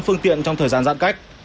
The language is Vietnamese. phương tiện trong thời gian giãn cách